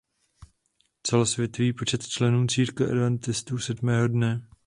Celosvětový počet členů Církve adventistů sedmého dne.